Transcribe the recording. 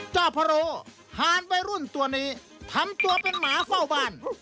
เจ้าพระโรหารวัยรุ่นตัวนี้ทำตัวเป็นหมาเฝ้าบ้าน